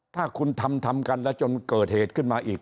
ถ้าคุณทำทำกันแล้วจนเกิดเหตุขึ้นมาอีก